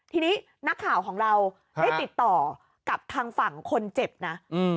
ทีนี้นักข่าวของเราได้ติดต่อกับทางฝั่งคนเจ็บนะ